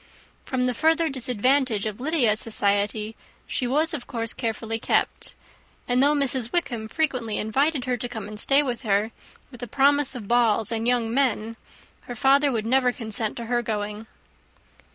From the further disadvantage of Lydia's society she was of course carefully kept; and though Mrs. Wickham frequently invited her to come and stay with her, with the promise of balls and young men, her father would never consent to her going.